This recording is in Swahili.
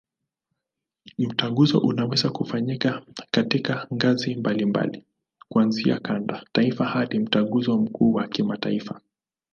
Mtaguso unaweza kufanyika katika ngazi mbalimbali, kuanzia kanda, taifa hadi Mtaguso mkuu wa kimataifa.